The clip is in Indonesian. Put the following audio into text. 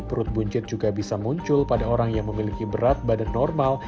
perut buncit juga bisa muncul pada orang yang memiliki berat badan normal